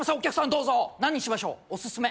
どうぞ何にしましょうおすすめ？